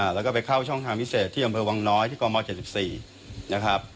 แล้วก็ไปเข้าช่องทางพิเศษที่อำเภอวังน้อยที่กม๗๔นะครับ